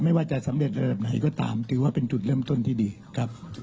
ไม่ว่าจะสำเร็จระดับไหนก็ตามถือว่าเป็นจุดเริ่มต้นที่ดีครับ